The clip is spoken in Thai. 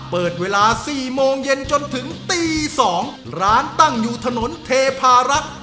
เปิดเวลาสี่โมงเย็นจนถึงตีสองร้านตั้งอยู่ถนนเทพารักษ์